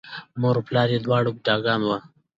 مور و پلار یې دواړه بوډاګان وو،